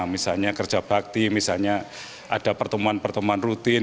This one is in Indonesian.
misalnya kerja bakti misalnya ada pertemuan pertemuan rutin